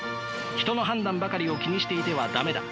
人の判断ばかりを気にしていては駄目だ。